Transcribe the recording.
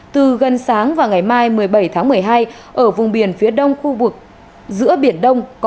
từ gần sáng và ngày mai một mươi bảy tháng một mươi hai ở vùng biển phía đông khu vực giữa biển đông